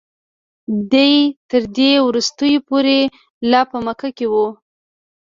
دی تر دې وروستیو پورې لا په مکه کې و.